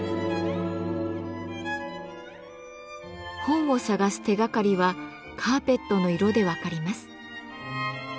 本を探す手がかりはカーペットの色で分かります。